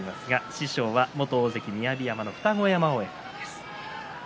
師匠は元雅山の二子山親方です。